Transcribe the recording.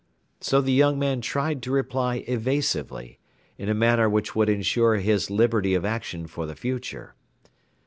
So the young man tried to reply evasively, in a manner which would ensure his liberty of action for the future.